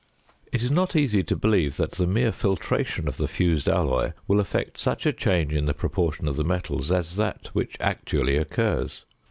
It is not easy to believe that the mere filtration of the fused alloy will effect such a change in the proportion of the metals as that which actually occurs.